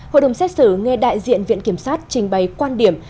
hội đồng xét xử nghe đại diện viện kiểm sát trình bày quan điểm